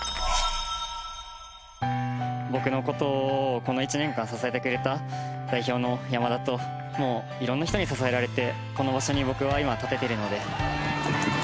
僕の事をこの１年間支えてくれた代表の山田といろんな人に支えられてこの場所に僕は今立ててるので。